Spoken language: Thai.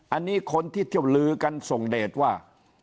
อันนี้คนที่เที่ยวลือกันส่งเดทว่า